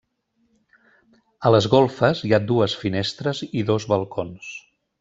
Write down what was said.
A les golfes hi ha dues finestres i dos balcons.